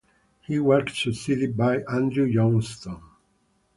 He was succeeded by Andrew Johnstone.